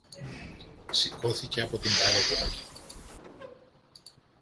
Σηκώθηκε από την καρέκλα του